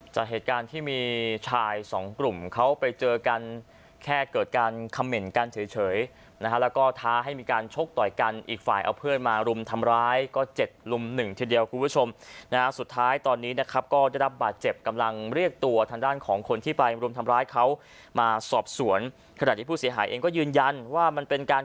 จากเหตุการณ์ที่มีชายสองกลุ่มเขาไปเจอกันแค่เกิดการคำเหม็นกันเฉยนะฮะแล้วก็ท้าให้มีการชกต่อยกันอีกฝ่ายเอาเพื่อนมารุมทำร้ายก็เจ็ดลุมหนึ่งทีเดียวคุณผู้ชมนะฮะสุดท้ายตอนนี้นะครับก็ได้รับบาดเจ็บกำลังเรียกตัวทางด้านของคนที่ไปรุมทำร้ายเขามาสอบสวนขณะที่ผู้เสียหายเองก็ยืนยันว่ามันเป็นการ